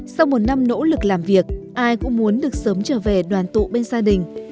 sau một năm nỗ lực làm việc ai cũng muốn được sớm trở về đoàn tụ bên gia đình